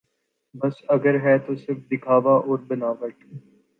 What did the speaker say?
بس اگر ہے تو صرف دکھاوا اور بناوٹ